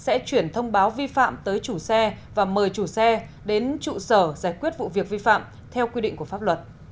công an địa phương sẽ thông báo vi phạm tới chủ xe và mời chủ xe đến trụ sở giải quyết vụ việc vi phạm theo quy định của pháp luật